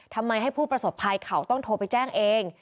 ทำไมให้ผู้ประสบภัยเขาต้องโทรไปแจ้งเอง